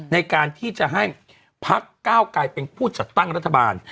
ในการที่จะให้พักก้าวกลายเป็นผู้จัดตั้งรัฐบาล